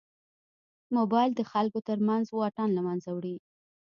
موبایل د خلکو تر منځ واټن له منځه وړي.